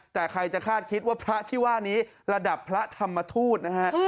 แต่ใครจะคาดคิดว่าพระที่ว่านี้ระดับพระธรรมทูตนะฮะ